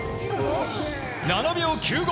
７秒９５